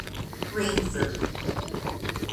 Rainford.